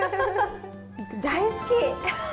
大好き！